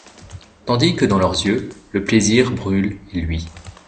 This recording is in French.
Tandis que dans leurs. yeux le plaisir brûle et luit